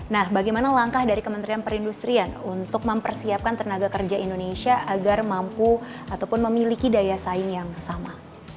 nah bagaimana langkah dari kementerian perindustrian untuk mempersiapkan tenaga kerja indonesia agar mampu ataupun memiliki daya saing yang sama